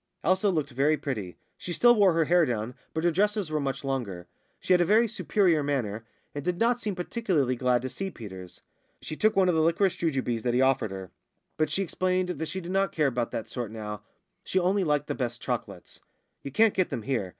Elsa looked very pretty. She still wore her hair down, but her dresses were much longer. She had a very superior manner, and did not seem particularly glad to see Peters. She took one of the liquorice jujubes that he offered her. But she explained that she did not care about that sort now; she only liked the best chocolates. "You can't get them here.